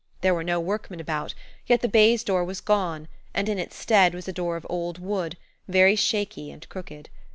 There were no workmen about, yet the baize door was gone, and in its stead was a door of old wood, very shaky and crooked.